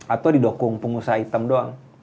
atau didokung pengusaha item doang